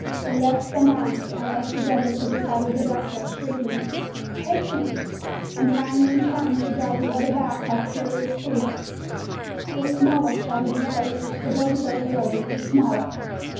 They left the mast, and rushed together to the side of the vessel, shriek ing: "Take me!" and trying in turn, to drive the other back, like furious beasts. "The smaller!" shouted the sailors. "The boat is overloaded! The smaller!"